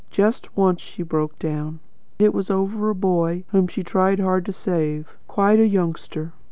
Just once she broke down. It was over a boy whom she tried hard to save quite a youngster.